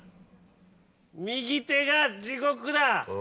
右手が地獄だ！